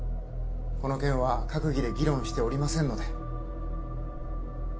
この件は閣議で議論しておりませんので。